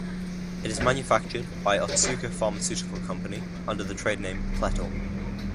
It is manufactured by Otsuka Pharmaceutical Company under the trade name Pletal.